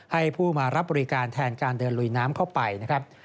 ให้ผู้มารับบริการแทนการเดินลุยน้ำเข้าไปนะครับ